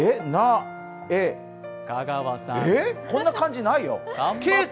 こんな漢字ないよ。